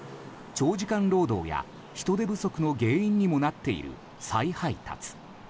長時間労働や人手不足の原因にもなっている再配達。